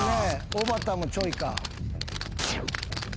おばたもちょいか。